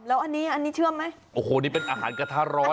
แล้วอันนี้อันนี้เชื่อไหมโอ้โหนี่เป็นอาหารกระทะร้อน